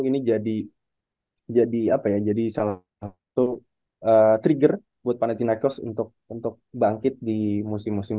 itu jadi jadi apa ya jadi salah satu trigger buat panettiaikos untuk untuk bangkit di musim musim